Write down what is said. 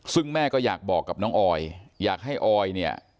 ซึ่งแม่ก็อยากบอกกับน้องออยอยากให้ออยเนี่ย